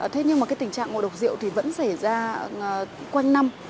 thế nhưng mà cái tình trạng ngộ độc rượu thì vẫn xảy ra quanh năm